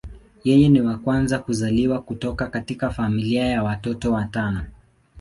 Yeye ni wa kwanza kuzaliwa kutoka katika familia ya watoto watano.